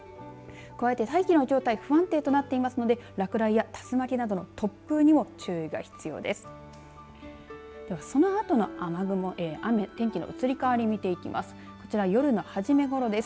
加えて大気の状態不安定となっていますので落雷や竜巻などの突風にも注意が必要です。